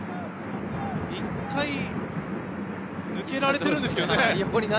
１回抜けられているんですけどね。